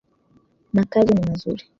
Makazi ni mazuri.